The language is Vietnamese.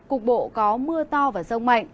cục bộ có mưa to và rông mạnh